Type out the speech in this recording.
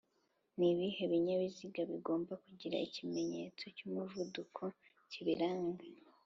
Nibihe binyabiziga bigomba kugira ikimenyetso cy’umuvuduko kibiranga